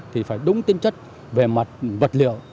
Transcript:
thì phải đúng tính chất về mặt vật liệu